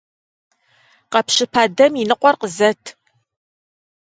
Къэпщыпа дэм и ныкъуэр къызэт!